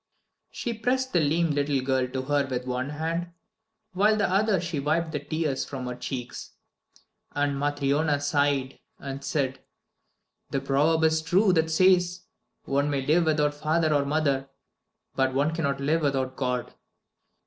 She pressed the lame little girl to her with one hand, while with the other she wiped the tears from her cheeks. And Matryona sighed, and said: "The proverb is true that says, 'One may live without father or mother, but one cannot live without God.'"